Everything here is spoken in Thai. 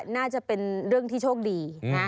น่าจะเป็นเรื่องที่โชคดีนะ